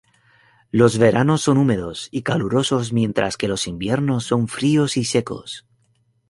Los veranos son húmedos y calurosos mientras que los inviernos son fríos y secos.